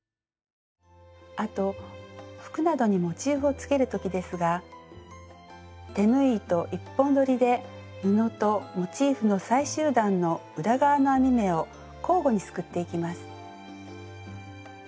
あと服などにモチーフをつける時ですが手縫い糸１本どりで布とモチーフの最終段の裏側の編み目を交互にすくっていきます。